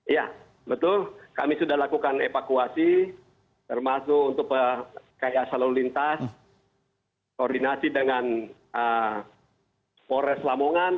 ya betul kami sudah lakukan evakuasi termasuk untuk rekayasa lalu lintas koordinasi dengan polres lamongan